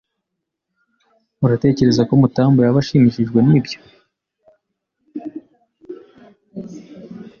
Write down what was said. Uratekereza ko Mutamba yaba ashimishijwe nibyo?